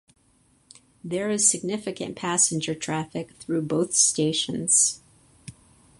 There is significant passenger traffic through both stations.